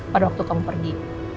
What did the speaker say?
pada waktu kamu pergi